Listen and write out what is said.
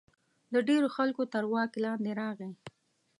د ډېرو خلکو تر واک لاندې راغی.